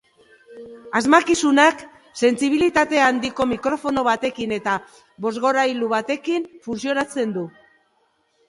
Asmakizunak sentsibilitate handiko mikrofono batekin eta bozgorailu batekin funtzionatzen du.